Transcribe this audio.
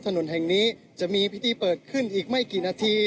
ถนนแห่งนี้จะมีพิธีเปิดขึ้นอีกไม่กี่นาที